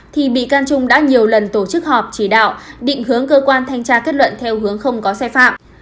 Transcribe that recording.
thì bị can trung đã nhiều lần tổ chức họp chỉ đạo định hướng cơ quan thanh tra kết luận theo hướng không có sai phạm